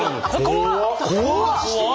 怖っ！